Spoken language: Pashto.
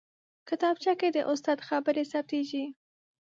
کتابچه کې د استاد خبرې ثبتېږي